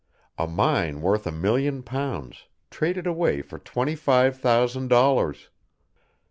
A mine worth a million pounds, traded away for twenty five thousand dollars!